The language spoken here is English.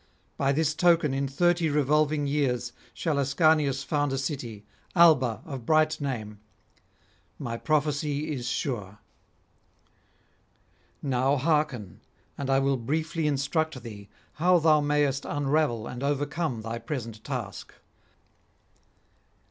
By this token in thirty revolving years shall Ascanius found a city, Alba of bright name. My prophecy is sure. Now hearken, and I will briefly instruct thee how thou mayest unravel and overcome thy present task.